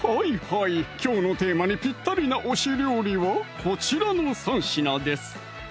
はいきょうのテーマにぴったりな推し料理はこちらの３品です